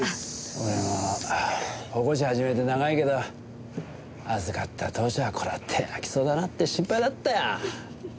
俺も保護司始めて長いけど預かった当初はこりゃ手を焼きそうだなって心配だったよ。